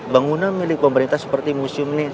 bangunan milik pemerintah seperti museum ini